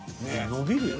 伸びるよ。